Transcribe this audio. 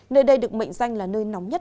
nơi đây được mệnh danh là nơi nóng nhất